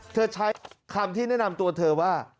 ใช้คำที่แนะนำตัวเธอว่า